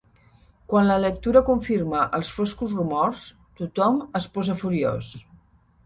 Quan la lectura confirma els foscos rumors, tothom es posa furiós.